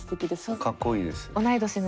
かっこいいです。